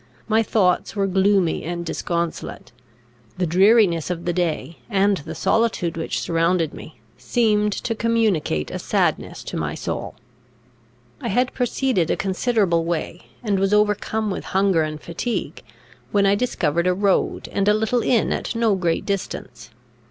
My thoughts were gloomy and disconsolate; the dreariness of the day, and the solitude which surrounded me, seemed to communicate a sadness to my soul. I had proceeded a considerable way, and was overcome with hunger and fatigue, when I discovered a road and a little inn at no great distance.